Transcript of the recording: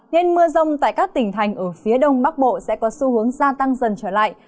nên mưa rông tại các tỉnh thành ở phía đông bắc bộ sẽ có xu hướng gia tăng dần trở lại